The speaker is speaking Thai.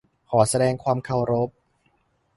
ขอแสดงความเคารพ